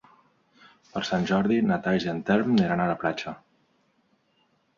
Per Sant Jordi na Thaís i en Telm aniran a la platja.